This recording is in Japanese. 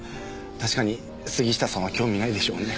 確かに杉下さんは興味ないでしょうね。